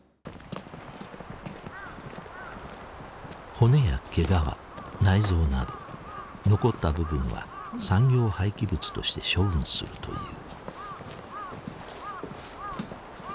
骨や毛皮内臓など残った部分は産業廃棄物として処分するという。